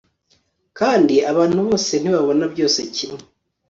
kandi abantu bose ntibabona byose kimwe